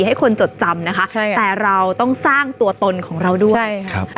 ให้คนจดจำนะคะใช่แต่เราต้องสร้างตัวตนของเราด้วยใช่ครับ